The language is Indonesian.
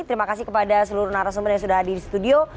terima kasih kepada seluruh narasumber yang sudah hadir di studio